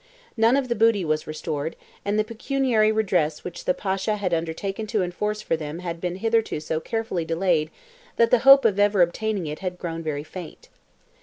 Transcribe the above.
None of the booty was restored, and the pecuniary redress which the Pasha had undertaken to enforce for them had been hitherto so carefully delayed, that the hope of ever obtaining it had grown very faint.